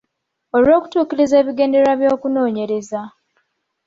Olw’okutuukiriza ebigendererwa by’okunoonyereza.